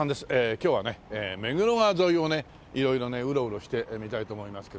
今日はね目黒川沿いをね色々ねウロウロしてみたいと思いますけどね。